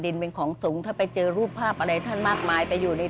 เป็นของสูงถ้าไปเจอรูปภาพอะไรท่านมากมายไปอยู่ใน